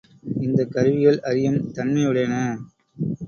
இந்தக் கருவிகள் அறியும் தன்மையுடையன.